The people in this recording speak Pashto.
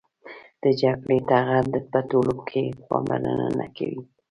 د جګړې د ټغر په ټولولو کې پاملرنه نه کوي.